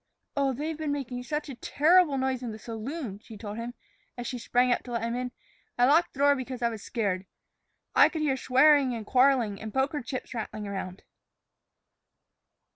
"Oh, they've been making such a terrible noise in the saloon," she told him, as she sprang up to let him in. "I locked the door because I was scared. I could hear swearing and quarreling, and poker chips rattling around."